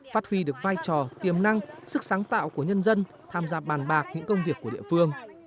phát huy được vai trò tiềm năng sức sáng tạo của nhân dân tham gia bàn bạc những công việc của địa phương